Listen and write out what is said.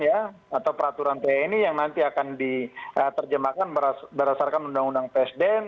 atau peraturan tni yang nanti akan diterjemahkan berdasarkan undang undang psd